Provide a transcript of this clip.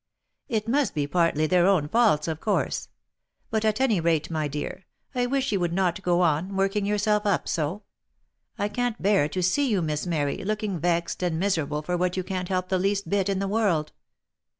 It must be partly their own faults of course ; but at any rate, my dear, I wish you would not go on, working yourself up so. I can't bear to see you, Miss Mary, looking vexed and miserable for what you can't help the least bit in the world.